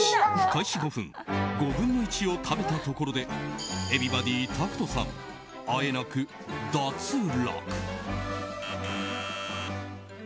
開始５分５分の１を食べたところでＥｖｅｒｙｂｏｄｙタクトさんあえなく脱落。